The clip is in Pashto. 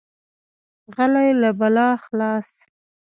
غلی، له بلا خلاص.